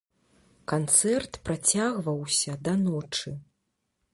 Канцэрт працягваўся да ночы.